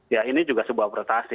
ya ini juga sebuah rotasi